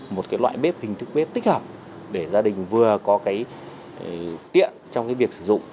một loại bếp hình thức bếp tích hợp để gia đình vừa có tiện trong việc sử dụng